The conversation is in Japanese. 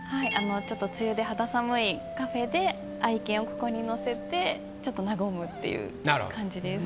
ちょっと梅雨で肌寒いカフェで愛犬をここにのせてちょっと和むっていう感じです。